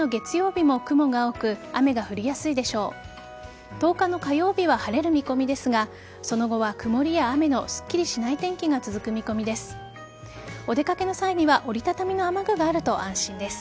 １０日の火曜日は晴れる見込みですがその後は曇りや雨のすっきりしない天気が続く見込みです。